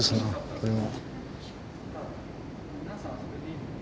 これは。